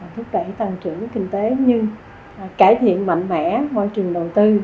thúc đẩy tăng trưởng kinh tế nhưng cải thiện mạnh mẽ môi trường đầu tư